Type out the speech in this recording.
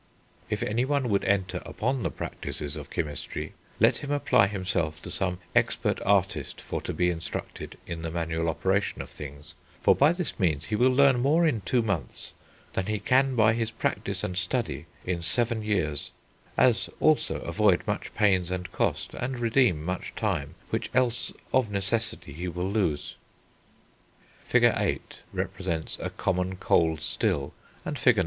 "If any one would enter upon the practices of Chymistry, let him apply himself to some expert artist for to be instructed in the manual operation of things; for by this means he will learn more in two months, than he can by his practice and study in seven years, as also avoid much pains and cost, and redeem much time which else of necessity he will lose." Fig. VIII. p. 82, represents a common cold still, and Fig.